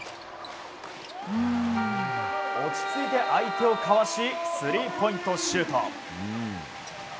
落ち着いて相手をかわしスリーポイントシュート。